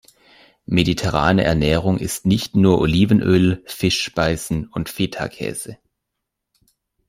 Mediterrane Ernährung ist nicht nur Olivenöl, Fischspeisen und Fetakäse.